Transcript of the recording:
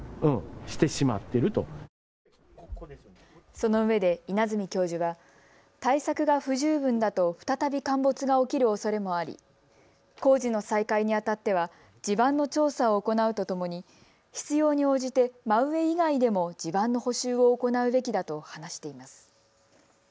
そのうえで稲積教授は対策が不十分だと再び陥没が起きるおそれもあり工事の再開にあたっては地盤の調査を行うとともに必要に応じて真上以外でも地盤の補修を行うべきだと話しています。